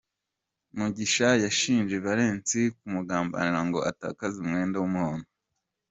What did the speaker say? Mugisha yashinje Valens kumugambanira ngo atakaze umwenda w’umuhondo.